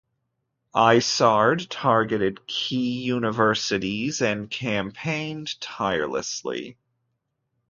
Isard targeted key universities and campaigned tirelessly.